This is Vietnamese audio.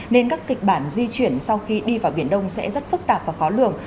nên các kịch bản di chuyển sau khi đi vào biển đông sẽ rất phức tạp và khó lường